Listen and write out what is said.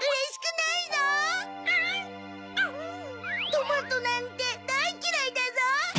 トマトなんてだいっきらいだぞ！